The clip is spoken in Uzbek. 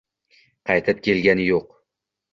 Qaytib kelgani yo‘q.